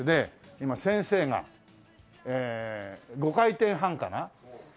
今先生が５回転半かな？